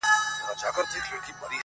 د وخت مجنون يم ليونى يمه زه.